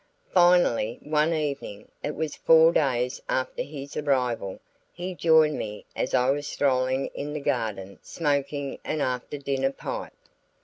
Finally one evening it was four days after his arrival he joined me as I was strolling in the garden smoking an after dinner pipe.